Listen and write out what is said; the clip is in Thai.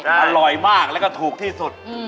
อร่อยมากแล้วก็ถูกที่สุด